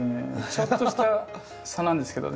ちょっとした差なんですけどね。